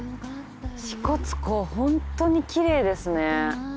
支笏湖ホントに奇麗ですね。